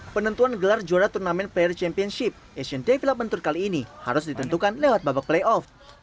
penentuan gelar juara turnamen player championship asian development tour kali ini harus ditentukan lewat babak playoff